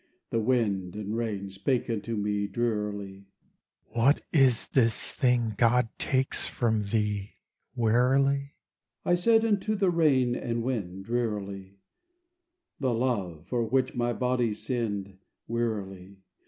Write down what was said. The wind and rain spake unto me, Drearily: "What is this thing God takes from thee, Wearily?" I said unto the rain and wind, Drearily: "The love, for which my body sinned, Wearily."